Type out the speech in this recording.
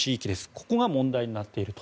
ここが問題になっていると。